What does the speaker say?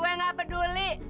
gue gak peduli